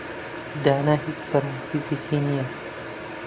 دانا هیچ پرەنسیپێکی نییە.